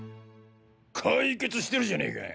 解決してるじゃねか。